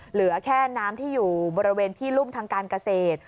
เหลือแค่น้ำที่อยู่บริเวณที่รุ่มทางการเกษตร